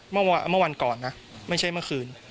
เมื่อวานเมื่อวานก่อนนะไม่ใช่เมื่อคืน